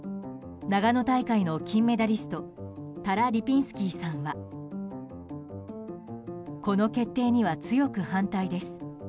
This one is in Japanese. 長野大会の金メダリストタラ・リピンスキーさんはこの決定には強く反対です。